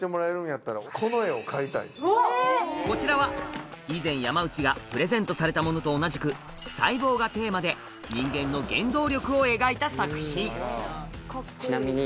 こちらは以前山内がプレゼントされたものと同じく「細胞」がテーマで人間の原動力を描いた作品ちなみに。